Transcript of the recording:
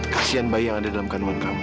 kasian bayi yang ada dalam kanwan kamu